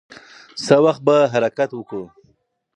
څه وخت به حرکت وکړو؟